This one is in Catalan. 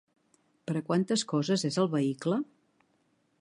Per a quantes coses és el vehicle?